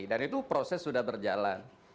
dan itu proses sudah berjalan